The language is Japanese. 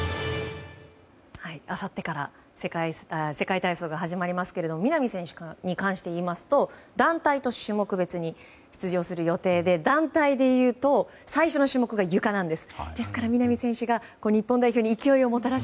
あさってから世界体操が始まりますけども南選手に関していいますと団体と種目別に出場する予定で団体でいうと最初の種目がゆかなんです。